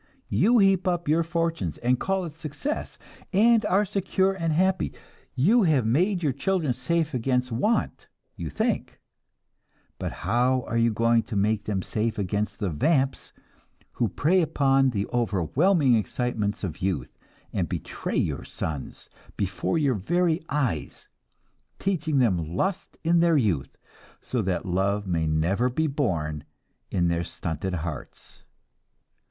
You heap up your fortunes, and call it success, and are secure and happy. You have made your children safe against want, you think; but how are you going to make them safe against the "vamps" who prey upon the overwhelming excitements of youth, and betray your sons before your very eyes teaching them lust in their youth, so that love may never be born in their stunted hearts?